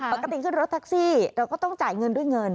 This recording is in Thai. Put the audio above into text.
ปกติขึ้นรถแท็กซี่เราก็ต้องจ่ายเงินด้วยเงิน